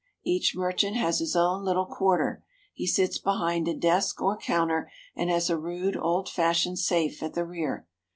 Each merchant has his own little quarter. He sits be hind a desk or counter, and has a rude, old fashioned safe at the rear.